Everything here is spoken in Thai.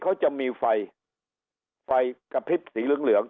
เขาจะมีไฟไฟกระพริบสีเหลืองเหลือง